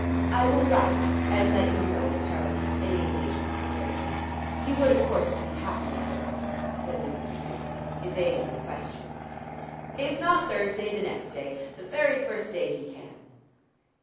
"I will write and let you know if Harold has any engagement for Thursday; he would of course be happy otherwise," said Mrs. Transome, evading the question. "If not Thursday, the next day the very first day he can."